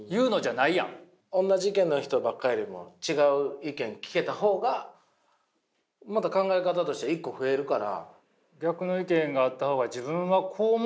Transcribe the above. おんなじ意見の人ばっかりよりも違う意見聞けた方がまた考え方として一個増えるから。